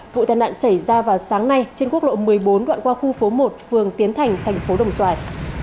vụ thàn nạn xảy ra vào sáng nay trên quốc lộ một mươi bốn đoạn qua khu phố một phường tiến thành tp đồng xoài